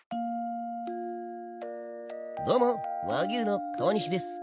どうも和牛の川西です。